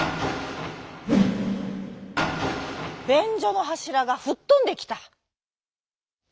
べんじょのはしらがふっとんできた。